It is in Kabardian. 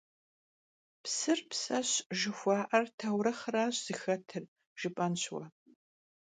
«Psır pseş» jjıxua'er taurıxhraş zıxetır ,— jjıp'enş vue.